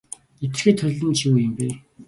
Нэвтэрхий толь нь ч юу юм бэ.